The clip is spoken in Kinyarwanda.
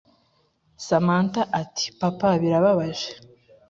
samantha ati ” papa birababaje”